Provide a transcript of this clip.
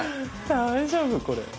大丈夫これ？